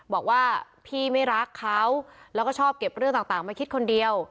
บอกว่าพี่ไม่รักเขาแล้วก็ชอบเก็บเรื่องต่างมาคิดคนเดียว